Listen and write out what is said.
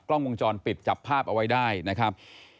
กล้องวงจรปิดจับภาพเอาไว้ได้นะครับ